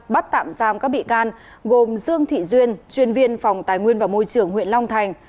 bắt tạm giam các bị can gồm dương thị duyên chuyên viên phòng tài nguyên và môi trường huyện long thành